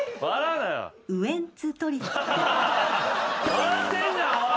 笑ってんじゃん！